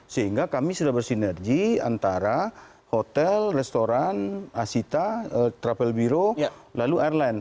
sehingga kami sudah bersinergi antara hotel restoran asita travel biro lalu airline